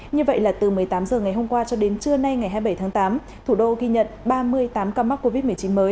như vậy là từ một mươi tám h ngày hôm qua cho đến trưa nay ngày hai mươi bảy tháng tám thủ đô ghi nhận ba mươi tám ca mắc covid một mươi chín mới